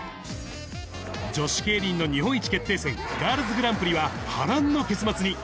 女子競輪の日本一決定戦、ガールズグランプリは波乱の結末に。